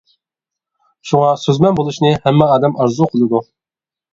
شۇڭا سۆزمەن بولۇشنى ھەممە ئادەم ئارزۇ قىلىدۇ.